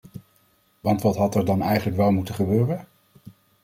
Want wat had er dan eigenlijk wel moeten gebeuren?